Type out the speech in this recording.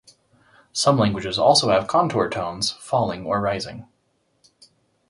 Some languages also have contour tones (falling or rising).